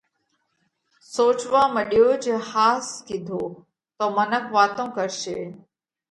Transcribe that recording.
سوچوا مڏيو جي ۿاس ڪِيڌو تو منک واتون ڪرشي